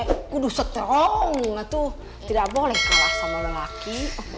kudu seterong tidak boleh kalah sama lelaki